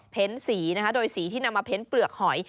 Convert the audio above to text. เพนต์สีโดยสีที่นำมาเพนต์เปลือกหอย